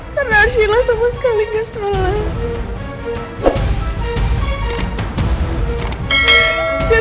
karena arsila sama sekali kesalahan